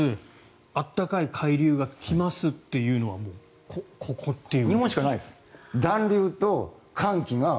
暖かい海流が来ますというのはここっていう。